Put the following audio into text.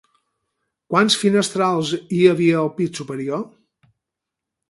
Quants finestrals hi havia al pis superior?